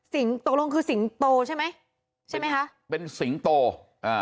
สิงศ์ตกลงคือสิงศ์โตใช่ไหมใช่ไหมฮะเป็นสิงศ์โตอ่า